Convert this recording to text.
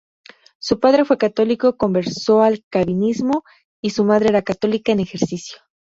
Su padre fue católico, converso al calvinismo, y su madre era católica en ejercicio.